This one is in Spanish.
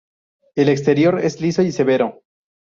El exterior es liso y severo.